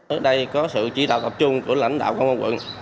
ở đây có sự chỉ đạo tập trung của lãnh đạo công an quận